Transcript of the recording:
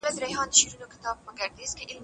چي د ښارونو جنازې وژاړم